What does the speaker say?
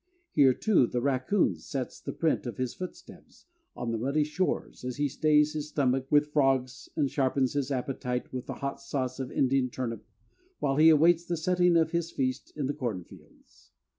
Here, too, the raccoon sets the print of his footsteps on the muddy shores as he stays his stomach with frogs and sharpens his appetite with the hot sauce of Indian turnip while he awaits the setting of his feast in the cornfields.